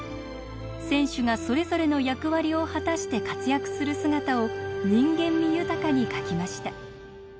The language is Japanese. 選手がそれぞれの役割を果たして活躍する姿を人間味豊かに描きました。